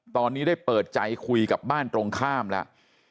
ตอนนี้ได้เปิดใจคุยกับบ้านตรงข้ามแล้ว